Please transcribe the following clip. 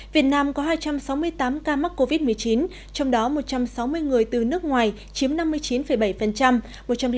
việt nam có hai trăm sáu mươi tám ca mắc covid một mươi chín trong đó một trăm sáu mươi người từ nước ngoài chiếm năm mươi chín bảy